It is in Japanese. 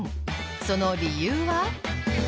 その理由は？